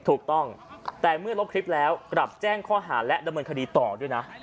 ถูกต้องแต่เมื่อลบคลิปแล้วกลับแจ้งข้อหาและดำเนินคดีต่อด้วยนะ